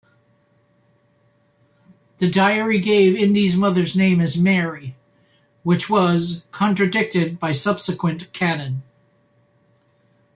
The diary gave Indy's mother's name as Mary, which was contradicted by subsequent canon.